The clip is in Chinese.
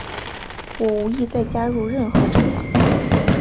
我无意再加入任何政党。